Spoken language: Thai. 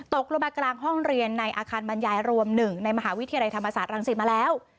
ตกลงมากลางห้องเรียนในอาคารบรรยายรวม๑ในมหาวิทยาลัยธรรมศาสตรังสิตมาแล้ว